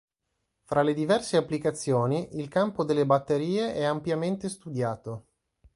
Fra le diverse applicazioni, il campo delle batterie è ampiamente studiato.